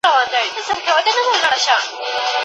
نوم ګټل او خپل وروستنو ته پېغور نه،